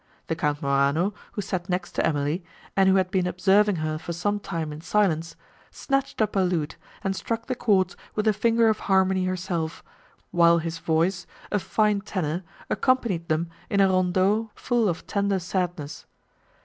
The Count Morano, who sat next to Emily, and who had been observing her for some time in silence, snatched up a lute, and struck the chords with the finger of harmony herself, while his voice, a fine tenor, accompanied them in a rondeau full of tender sadness.